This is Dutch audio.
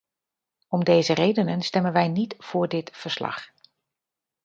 Om deze redenen stemmen wij niet voor dit verslag.